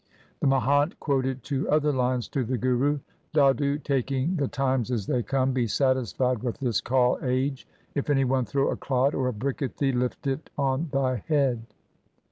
The Mahant quoted two other lines to the Guru :— Dadu, taking the times as they come, be satisfied with this Kal age. If any one throw a clod or a brick at thee, lift it on thy head.